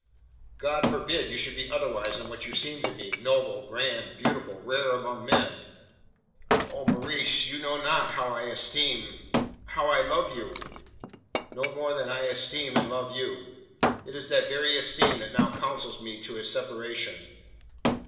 "God forbid you should be otherwise than what you seem to me noble, grand, beautiful, rare among men! Oh, Maurice! you know not how I esteem how I love you!" "Not more than I esteem and love you. It is that very esteem that now counsels me to a separation."